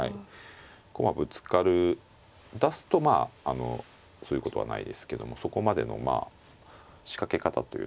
駒ぶつかりだすとそういうことはないですけどもそこまでのまあ仕掛け方というのは非常に。